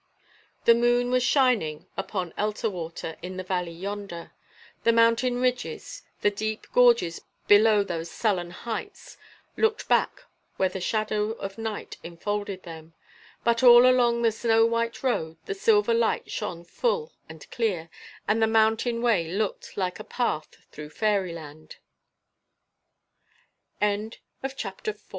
The moon was shining upon Elterwater in the valley yonder the mountain ridges, the deep gorges below those sullen heights, looked back where the shadow of night enfolded them, but all along the snow white road the silver light shone full and clear, and the mountain way looked like a path through fairyland. CHAPTER V. FORTY